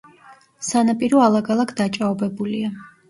სანაპირო ალაგ-ალაგ დაჭაობებულია.